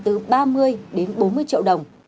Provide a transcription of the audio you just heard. từ ba mươi đến bốn mươi triệu đồng